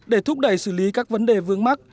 để thúc đẩy xử lý các vấn đề vướng mắt